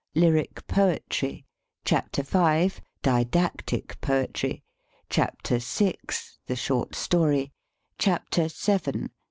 LYRIC POETRY CHAPTER V. DIDACTIC POETRY CHAPTER VI. THE SHORT STORY CHAPTER VII.